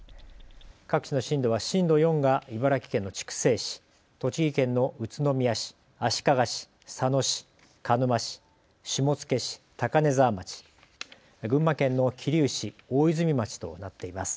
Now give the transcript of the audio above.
各地の震度は震度４が茨城県の筑西市、栃木県の宇都宮市、足利市、佐野市、鹿沼市、下野市、高根沢町、群馬県の桐生市、大泉町となっています。